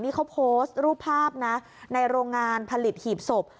นี่เขาโพสต์รูปภาพนะในโรงงานผลิตหีบศพ